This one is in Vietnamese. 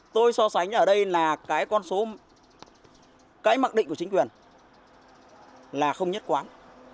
tôi so sánh ở đây là cái con số cãi mặc định của chính quyền là không nhất quán